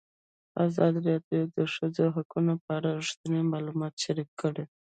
ازادي راډیو د د ښځو حقونه په اړه رښتیني معلومات شریک کړي.